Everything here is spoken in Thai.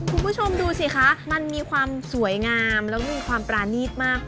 คุณผู้ชมดูสิคะมันมีความสวยงามแล้วก็มีความปรานีตมาก